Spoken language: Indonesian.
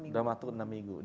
dalam waktu enam minggu